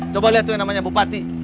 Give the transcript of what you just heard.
coba lihat tuh yang namanya bupati